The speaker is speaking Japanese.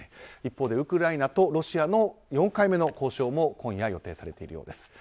一方でウクライナとロシアの４回目の交渉も今夜予定されているようです。